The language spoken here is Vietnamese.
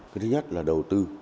cái thứ nhất là đầu tư